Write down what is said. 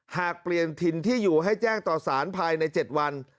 หากเปลี่ยนถิ่นที่อยู่ให้แจ้งต่อสารภายใน๗วัน